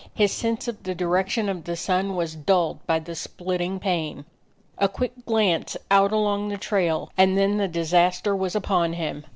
His sense of the direction of the sun was dulled by the splitting pain. A quick glance out along the trail, and then the disaster was upon him.